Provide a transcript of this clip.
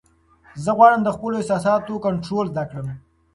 زه غواړم د خپلو احساساتو کنټرول زده کړم.